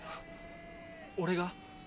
俺が？